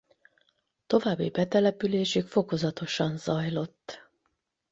További betelepülésük fokozatosan zajlott.